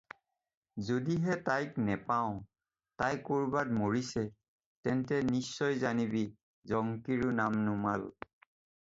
যদিহে তাইক নেপাওঁ, তাই কৰবাত মৰিছে, তেন্তে নিশ্চয় জানিবি জংকিৰো নাম নুমাল।